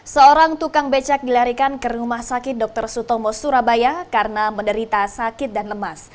seorang tukang becak dilarikan ke rumah sakit dr sutomo surabaya karena menderita sakit dan lemas